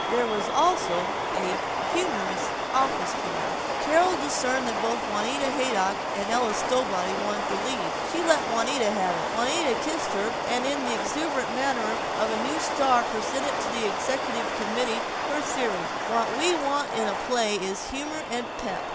There was also a humorous office boy. Carol discerned that both Juanita Haydock and Ella Stowbody wanted the lead. She let Juanita have it. Juanita kissed her and in the exuberant manner of a new star presented to the executive committee her theory, "What we want in a play is humor and pep.